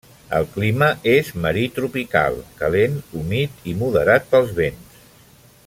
El clima és marí tropical; calent, humit i moderat pels vents.